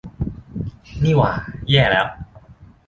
นี่หว่า แย่แล้ว